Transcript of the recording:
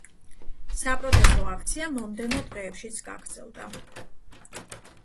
საპროტესტო აქცია მომდევნო დღეებშიც გაგრძელდა.